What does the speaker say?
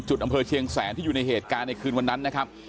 อำเภอเชียงแสนที่อยู่ในเหตุการณ์ในคืนวันนั้นนะครับ